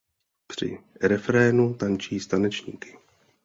Při refrénu tančí s tanečníky.